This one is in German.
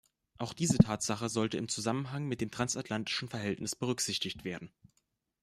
Auch diese Tatsache sollte im Zusammenhang mit dem transatlantischen Verhältnis berücksichtigt werden.